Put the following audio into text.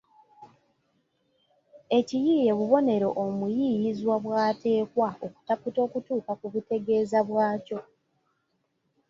Ekiyiiye bubonero omuyiiyizwa bw’ateekwa okutaputa okutuuka ku butegeeza bwakyo